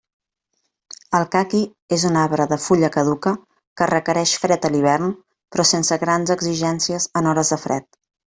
El caqui és un arbre de fulla caduca que requerix fred a l'hivern, però sense grans exigències en hores de fred.